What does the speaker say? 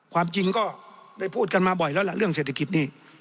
ความจริงก็ได้พูดกันมาบ่อยแล้วล่ะเรื่องเศรษฐกิจนี่